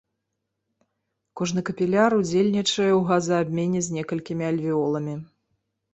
Кожны капіляр удзельнічае ў газаабмене з некалькімі альвеоламі.